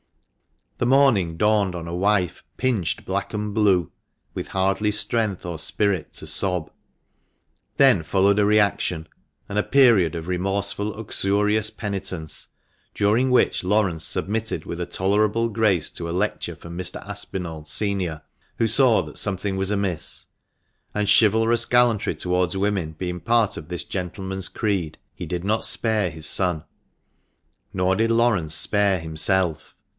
The morning dawned on a wife pinched black and blue, with hardly strength or spirit to sob. Then followed a reaction, and a period of remorseful uxorious penitence, during which Laurence submitted with a tolerable grace to a lecture from Mr. Aspinall, senior, who saw that something was amiss ; and chivalrous gallantry towards woman being part of this gentleman's creed, he did not spare his son. Nor did Laurence spare himself.